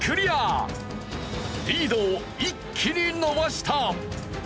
リードを一気に伸ばした！